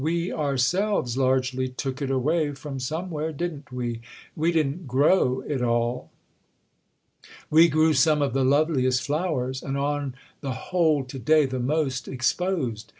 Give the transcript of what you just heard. We ourselves largely took it away from somewhere, didn't we? We didn't grow it all." "We grew some of the loveliest flowers—and on the whole to day the most exposed."